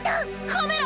カメラ！